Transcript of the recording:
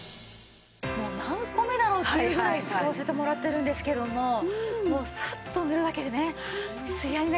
もう何個目だろうというぐらい使わせてもらってるんですけどももうサッと塗るだけでねツヤになりますからね。